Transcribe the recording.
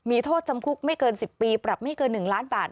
มีโทษจำคุกไม่เกิน๑๐ปีปรับไม่เกิน๑ล้านบาท